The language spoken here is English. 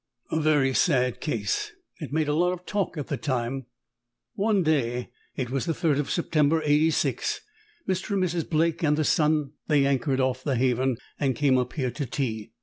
A very sad case; it made a lot of talk at the time. One day it was the third of September, '86 Mr. and Mrs. Blake and the son, they anchored off the haven and came up here to tea.